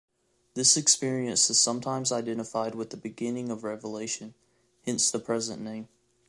This experience is sometimes identified with the beginning of revelation; hence the present name.